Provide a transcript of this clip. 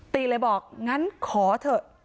ตีเลยบอกงั้นขอเถอะ